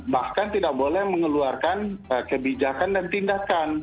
bahkan tidak boleh mengeluarkan kebijakan dan tindakan